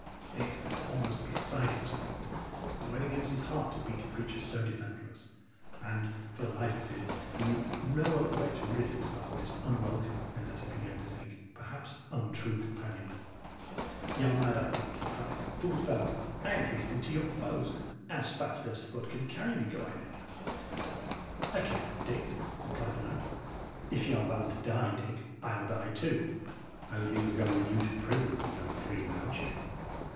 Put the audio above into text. Dick was almost beside himself. It went against his heart to beat a creature so defenceless; and, for the life of him, he knew no other way to rid himself of this unwelcome and, as he began to think, perhaps untrue companion. "Y' are mad, I think," he cried. "Fool fellow, I am hasting to your foes; as fast as foot can carry me, go I thither." "I care not, Dick," replied the lad. "If y' are bound to die, Dick, I'll die too. I would liever go with you to prison than to go free without you."